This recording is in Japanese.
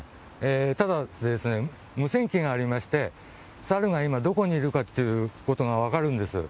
ただ、無線機がありまして、サルが今、どこにいるかということが分かるんです。